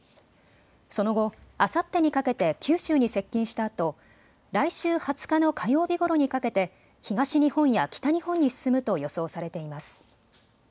その後、あさってにかけて九州に接近したあと来週２０日の火曜日ごろにかけて東日本や北日本に進むと予想されています。